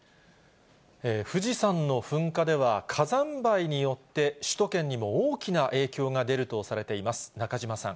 富士山の噴火では、火山灰によって首都圏にも大きな影響が出るとされています。